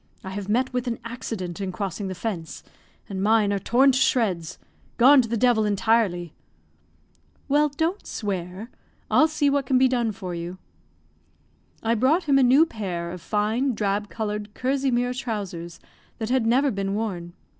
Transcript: I have met with an accident in crossing the fence, and mine are torn to shreds gone to the devil entirely." "Well, don't swear. I'll see what can be done for you." I brought him a new pair of fine, drab colored kersey mere trousers that had never been worn.